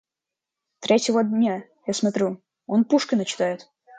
Третьего дня, я смотрю, он Пушкина читает.